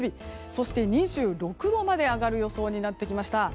そして２６度まで上がる予想になってきました。